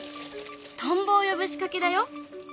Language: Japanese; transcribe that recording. トンボを呼ぶ仕掛けだよ。